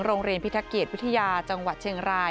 โรงเรียนพิทธเกียจวิทยาจังหวัดเชียงราย